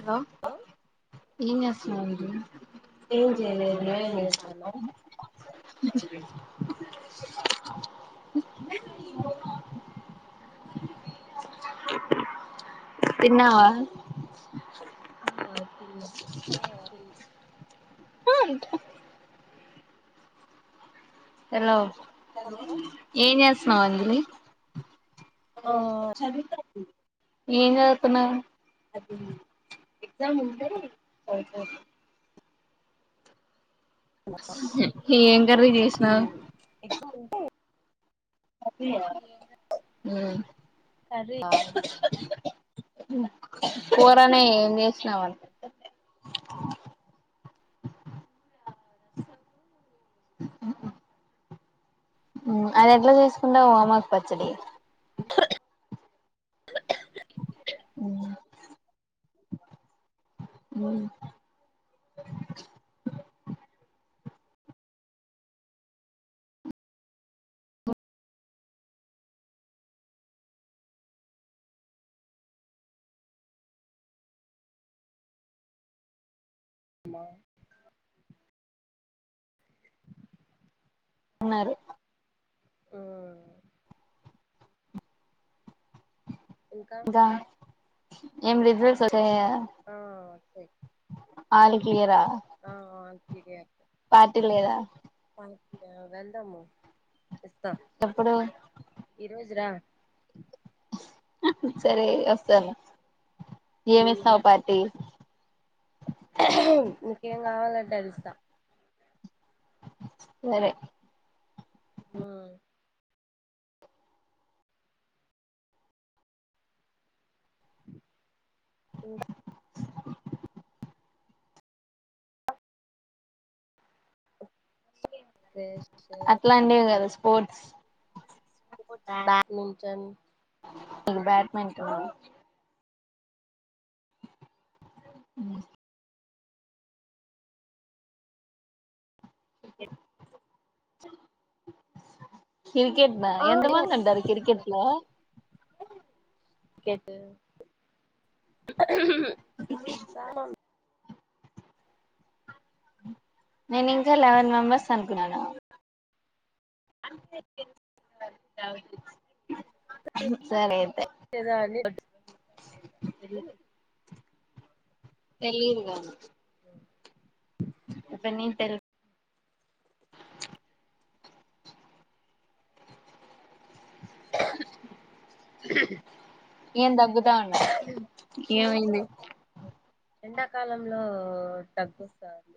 Hello ఏం చేస్తున్నావ్ వదిన ఏం చేయలేదు నువ్వేం లేదే [inaudible] చేస్తాన్నావ్ [inaudible] తిన్నావా అఓ ఆ ఉ ఉంటా హలో ఆ ఏం చేస్తున్నావు అంజలి ఆ ఓ చదిత ఏం చెత్తున్నావ్ ఏం కర్రీ చేసినావ్ ఎగ్జామ్ ఉంట కర్రీ ఉమ్మ్ కూరనే ఏం చేసినావాని అది ఎట్లా చేసుకుంటావు వామాకు పచ్చడి హ్మ్మ్ హ్మ్మ్ మా ఉన్నారు ఆ ఇంకా ఏం రిజల్స్ వచ్చాయా ఆ ఓకే ఆల్ క్లియరా ఆ ఆల్ క్లియర్ పార్టీ లేదా వన్ యా వెళ్దము ఇస్తా ఎప్పుడు ఈ రోజు రా అహ్ సరే వస్తాను ఏమిస్తావ్ పార్టీ ఇంకేం కావాలంటే అదిస్తా సరే ఊ ఇంకా సుబెయ్ అట్లాంటివి కదా [unintelligible] స్పోర్ట్స్ స్పోర్ట్స్ బ్యాడ్మింటన్ న్ బ్యాట్మింటన్ ఊ [inaudible] క్రికెట్నా ఆ ఎంత మంది ఎస్ ఉంటారు క్రికెట్ లో కేట్ సాం నేను ఇంకా లెవెన్ మెంబర్స్ అనుకున్నాను సరే ఐతే ఏదో అని తెలీదు గాను ఉప్పనీ తెల్ప్ [unintelligible] ఏం దగ్గుతాడవ్ ఏందో ఏవైంది ఎండాకాలంలో దగ్గొస్సది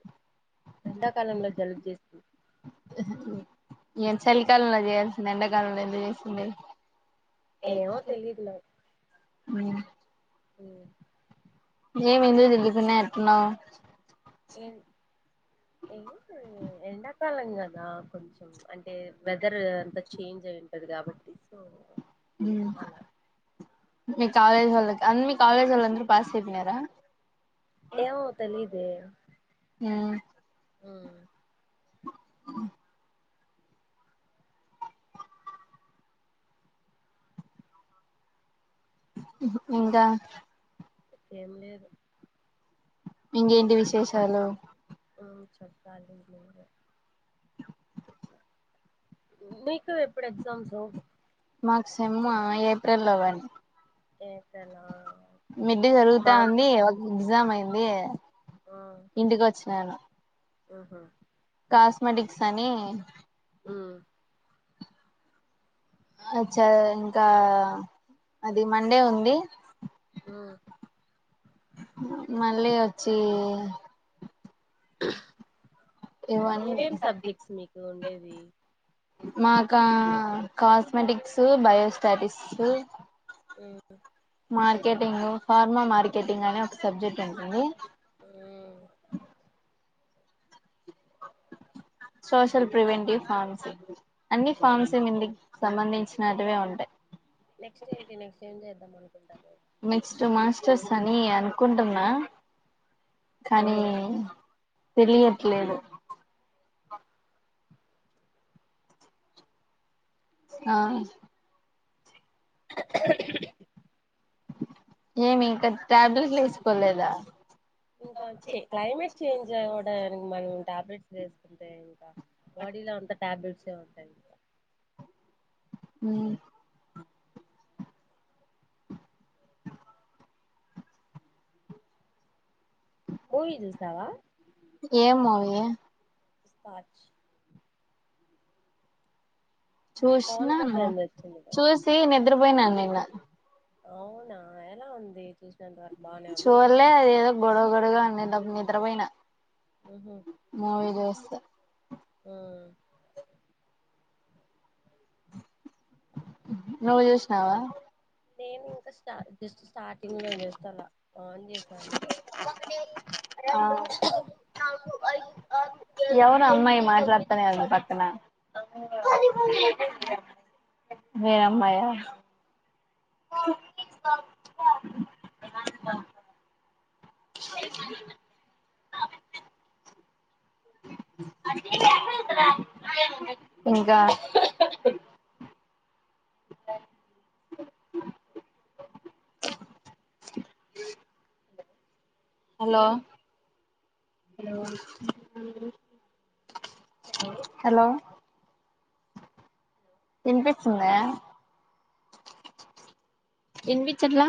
ఎండాకాలంలో జలుబు జేస్తూ నేన్ ఎండా కాలంలో ఎందుకు జెస్సుండే ఏమో తెలీద్ నాక్ ఊమ్ ఏం ఇందు దిల్లీప్పున్న ఎట్లునావ్ ఎన్ ఏ ఎండక్ తెలంగాణ కొంచం అంటే వెదర్ అంతా చేంజ్ అయి ఉంటది కాబట్టి సో హ్మ్ అలా మీ కాలేజ్ వాళ్లక్ అందు మీ కాలేజ్ వాల్ అందరు పాస్ అయిపొయినారా ఏమో తెలీద్ [unintelligible] హ్ ఉ హ్ ఇంకా ఏం నీరు ఇంగెంటి విశేషాలు ఉమ్ మీకు ఎప్పుడు ఎగ్జామ్సూ మాకు సేమ్మా ఏప్రిలో గానీ ఏప్రిలా మిడ్ జరుగుతా మాకు ఉంది. ఒక ఎగ్జామ్ అయింద్ ఏ ఆ ఇంటికి వచ్చినాను ఆహా కాస్మెటిక్స్ అని ఉమ్ అచ్చా ఇంకా అది మండే ఉంది. ఉమ్ మళ్ళీ వచ్చి ఇవ్వన్నీ ఏమేం సబ్జెక్ట్స్ మీకు ఉండేవి మాకా కాస్మెటిక్స్ బయోస్టాటిక్స్ మ్ మార్కెటింగ్ ఫార్మా మార్ ర్కెటింగ్ అనే ఒక సబ్జెక్ట్ ఉంటుంది. మ్ సోషల్ ప్రివెంటివ్ ఫామ్స్ అన్ని సోషల్ ఫార్మ్స్ [inaudible] సంబంధించిన ఆటివే ఉంటయి నెక్స్ట్ ఏంటి నెక్ట్ ఏం చేద్దాం మన [inaudible] నెక్స్ట్ మాస్టర్స్ అని అనుకుంటున్నా ఆ కానీ తెలియట్లేదు. ఆ ఏమి ఇంకా టాబ్లెట్లు వేసుకోలేదా ఇంకా చే క్లైమేట్ చేేంజవుడే ఉ మనం టాబ్లెట్స్ వేసుకుంటే ఇంకా బాడీ లో అంత టాబ్లెట్స్ ఏ ఉంటాయింకా ఊ మూవీ చూసావా ఏం మూవీ ఇస్పాచ్ పవన్ చూసినాను కళ్యాణ్ ది వచ్చింది కదా చూసి నిద్రపోయినాను నిన్న అవునా ఎలా ఉంది చూస్ చూడ్లే అదేదో గొడవ గొడవగా ఉంది నిద్రపొయినా మూవీ చూస్తా ఊ నువ్ జూసీనవా నేను ఇంకా స్ట జస్ట్ స్టార్టింగ్ లో జస్ట్ అలా ఆన్ చేస్ ఆ ఎవరు అమ్మాయి మాట్లాడుతనే అ పక్క మీ అమ్మాయా [unintelligible] ఇదిమనదే [unintelligible] ఇంకా హలో హలో ఇన్పిసుంద ఇన్పిచ్ట్లా